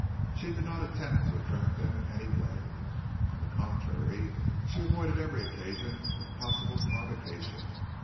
She did not attempt to attract them in any way. On the contrary, she avoided every occasion of possible provocation.